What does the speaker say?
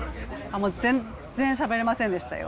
もう全然しゃべれませんでしたよ。